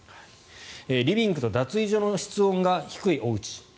リビングと脱衣所の室温が低いお家。